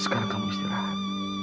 sekarang kamu istirahat